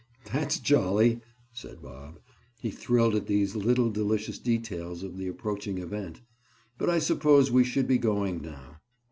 "That's jolly," said Bob. He thrilled at these little delicious details of the approaching event. "But I suppose we should be going now."